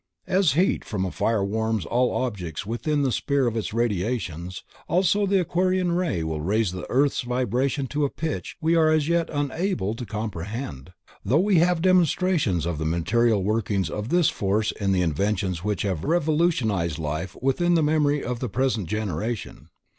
As heat from a fire warms all objects within the sphere of its radiations, so also the Aquarian ray will raise the earth's vibrations to a pitch we are as yet unable to comprehend, though we have demonstrations of the material workings of this force in the inventions which have revolutionized life within the memory of the present generation.